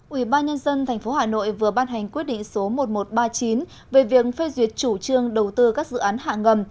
ủy ban nhân dân tp hà nội vừa ban hành quyết định số một nghìn một trăm ba mươi chín về việc phê duyệt chủ trương đầu tư các dự án hạ ngầm